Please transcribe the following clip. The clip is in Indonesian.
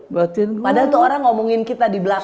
buatin padahal tuh orang ngomongin kita di belakang